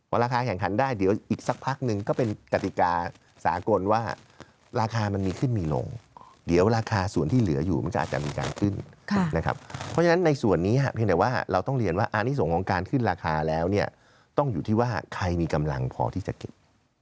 ราคาแข่งขันได้เดี๋ยวอีกสักพักนึงก็เป็นกติกาสากลว่าราคามันมีขึ้นมีลงเดี๋ยวราคาส่วนที่เหลืออยู่มันก็อาจจะมีการขึ้นนะครับเพราะฉะนั้นในส่วนนี้เพียงแต่ว่าเราต้องเรียนว่าอันนี้ส่งของการขึ้นราคาแล้วเนี่ยต้องอยู่ที่ว่าใครมีกำลังพอที่จะเก็บ